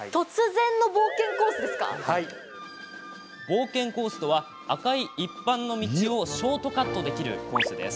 冒険コースとは赤い一般の道をショートカットできるコース。